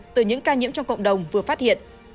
từ những ca nhiễm trong cộng đồng vừa phát hiện